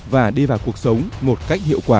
và đi vào cuộc sống một cách hiệu quả